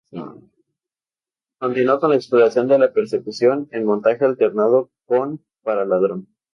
Continuó con la exploración de la persecución en montaje alternado con "¡Para ladrón!